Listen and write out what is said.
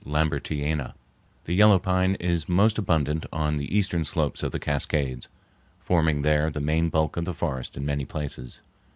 Lambertiana_). The yellow pine is most abundant on the eastern slopes of the Cascades, forming there the main bulk of the forest in many places.